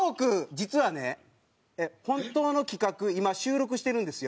実はね本当の企画今収録してるんですよ。